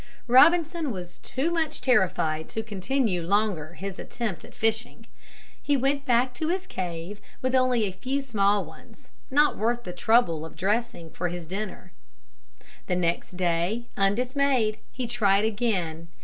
Robinson was too much terrified to continue longer his attempt at fishing. He went back to his cave with only a few small ones, not worth the trouble of dressing for his dinner. The next day undismayed he tried again.